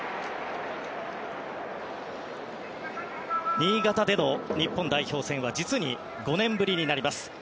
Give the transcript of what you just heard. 新潟での日本代表戦は実に５年ぶりになります。